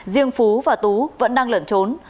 riêng phú và tú vẫn đang lẩn trốn